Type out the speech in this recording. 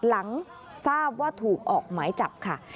หลังทราบว่าถูกออกหมายจับค่ะ